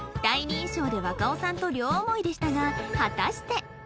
第二印象で若尾さんと両思いでしたが果たして